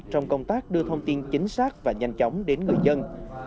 trong công tác đưa thông tin chính xác và nhanh chóng đến người dân